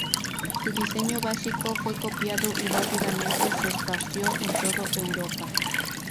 Su diseño básico fue copiado y rápidamente se esparció por todo Europa.